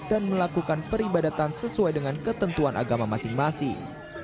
dan melakukan peribadatan sesuai dengan ketentuan agama masing masing